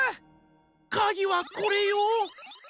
かぎはこれよ！